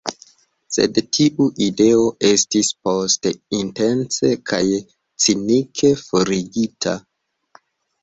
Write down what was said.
Sed tiu ideo estis poste intence kaj cinike forigita.